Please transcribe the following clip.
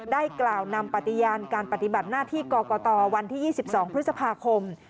ได้กล่าวนำปฏิญาณการปฏิบัติหน้าที่กรกตวันที่๒๒พฤษภาคม